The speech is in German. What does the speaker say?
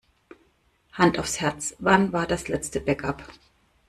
Hand aufs Herz: Wann war das letzte Backup?